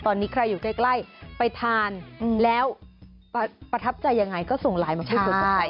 ตอนนี้ใครอยู่ใกล้ไปทานแล้วประทับใจยังไงก็ส่งไลน์มาพูดคุยกับใคร